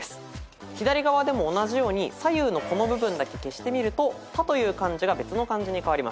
左側でも同じように左右のこの部分だけ消すと「田」という漢字が別の漢字に変わります。